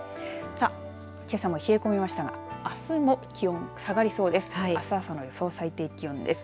さあ、けさも冷え込みましたがあすも気温、下がりそうです。